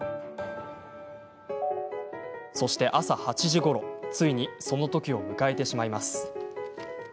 そして朝８時ごろ、ついにそのときを迎えてしまいます。